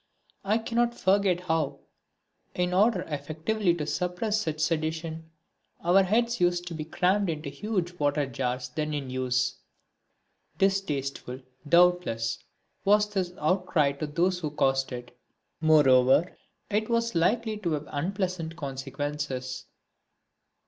I cannot forget how, in order effectively to suppress such sedition, our heads used to be crammed into the huge water jars then in use; distasteful, doubtless, was this outcry to those who caused it; moreover, it was likely to have unpleasant consequences.